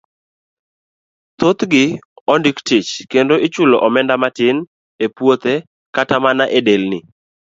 Thoth gi ondiki tich kendo ichulo omenda matin e puothe kata mana e delni.